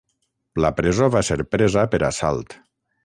La presó va ser presa per assalt.